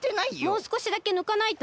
もうすこしだけぬかないと。